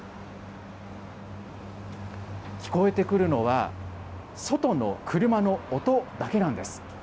聞こえてくるのは、外の車の音だけなんです。